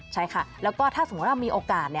ใช่ค่ะแล้วก็ถ้าสมมุติเรามีโอกาส